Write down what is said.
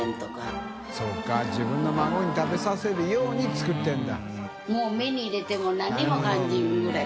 自分の孫に食べさせるように作ってるんだ。